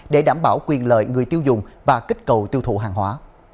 để đảm bảo quyền lợi người tiêu dùng và kích cầu tiêu thụ hàng hóa